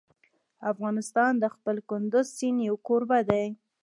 افغانستان د خپل کندز سیند یو کوربه دی.